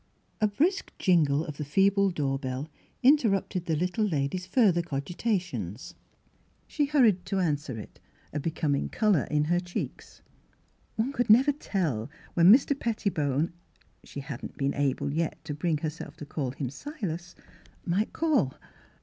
" A brisk jingle of the feeble door bell in terrupted the little lady's further cogita tions. She hurried to answer it, a becom Miss Fhilura's Wedding Goivn ing colour in her cheeks. One could nevei tell when Mr. Pettibone (she hadn't been able yet to bring herself to call him Silas) might call.